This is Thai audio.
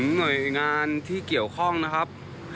หน่วยงานที่เกี่ยวข้องนะครับ